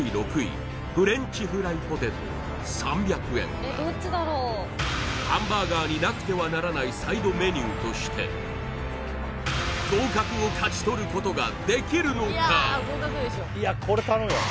そうねたぶんからねハンバーガーになくてはならないサイドメニューとして合格を勝ち取ることができるのか？